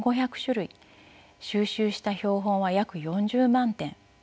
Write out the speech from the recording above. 収集した標本は約４０万点。